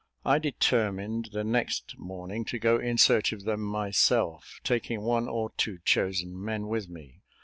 I determined, the next morning, to go in search of them myself, taking one or two chosen men with me.